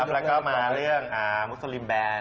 แล้วก็มาเรื่องมุสลิมแบน